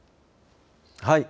はい。